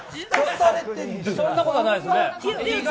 そんなことはないです。